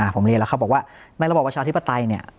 ผมเรียนแล้วเขาบอกว่าในระบอบประชาธิปไตยเนี่ย